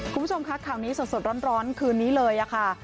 คุณผู้ชมคะข่าวนี้สดร้อนคืนนี้เลยค่ะ